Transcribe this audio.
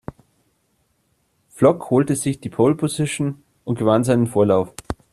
Flock holte sich die Pole-Position und gewann seinen Vorlauf.